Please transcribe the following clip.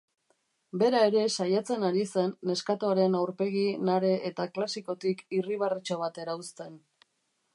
Bera ere saiatzen ari zen neskatoaren aurpegi nare eta klasikotik irribarretxo bat erauzten.